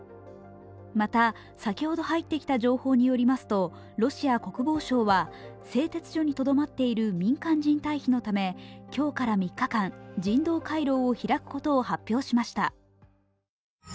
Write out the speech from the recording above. また先ほど入ってきた情報によりますとロシア国防省は、製鉄所にとどまっている民間人退避のため今日から３日間、人道回廊を開くことを発表しました。